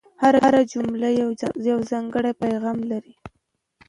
هره جمله یو ځانګړی پیغام لري.